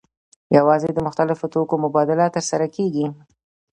یوازې د مختلفو توکو مبادله ترسره کیږي.